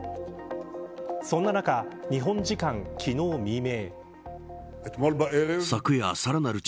そんな中、日本時間昨日未明。